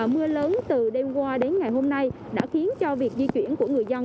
mưa lớn từ đêm qua đến ngày hôm nay đã khiến cho việc di chuyển của người dân